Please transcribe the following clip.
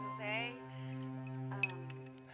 gak lama udah selesai